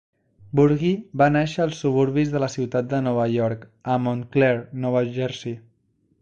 Burgi va nàixer als suburbis de la ciutat de Nova York a Montclair, Nova Jersey.